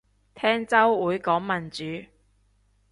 聽週會講民主